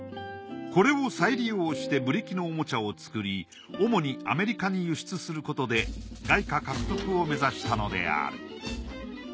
これを再利用してブリキのおもちゃを作り主にアメリカに輸出することで外貨獲得を目指したのである。